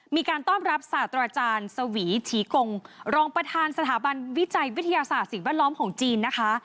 มีการต้อนรับศาสตราจารย์สวีฉีกงรองประธานสถาบันวิจัยวิทยาศาสตร์สิ่งแวดล้อมของจีนนะคะ